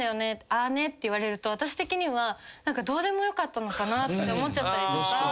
「あーね」って言われると私的にはどうでもよかったのかなって思っちゃったりとか。